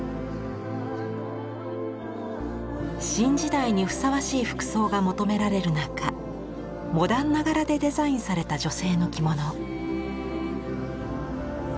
新時代にふさわしい服装が求められる中モダンな柄でデザインされた女性の着物。